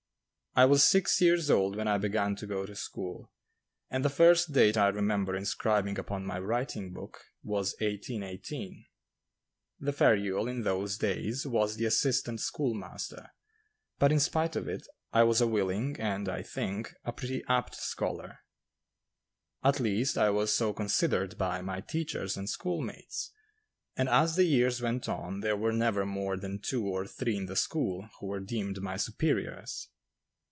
I was six years old when I began to go to school, and the first date I remember inscribing upon my writing book was 1818. The ferule, in those days, was the assistant school master; but in spite of it, I was a willing, and, I think, a pretty apt scholar; at least, I was so considered by my teachers and schoolmates, and as the years went on there were never more than two or three in the school who were deemed my superiors.